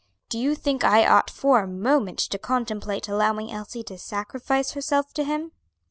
Do you think I ought for a moment to contemplate allowing Elsie to sacrifice herself to him?"